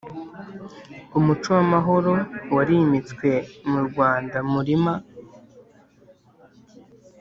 Umuco w’amahoro warimitswe mu Rwandamurima